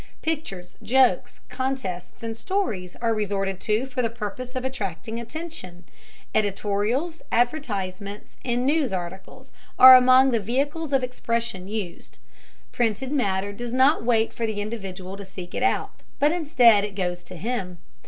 Pictures, jokes, contests, and stories are resorted to for the purpose of attracting attention. Editorials, advertisements, and news articles are among the vehicles of expression used. Printed matter does not wait for the individual to seek it out, but instead it goes to him.